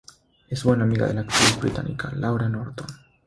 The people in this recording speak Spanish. Es buena amiga de la actriz británica Laura Norton.